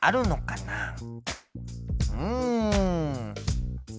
うん。